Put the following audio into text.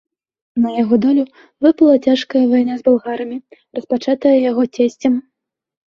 На яго долю выпала цяжкая вайна з балгарамі, распачатая яго цесцем.